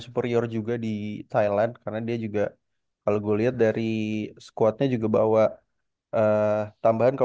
superior juga di thailand karena dia juga kalau gue lihat dari squadnya juga bawa tambahan kalau